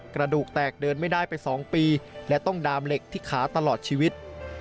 กระดูกแตกเดินไม่ได้ไป๒ปีและต้องดามเหล็กที่ขาตลอดชีวิต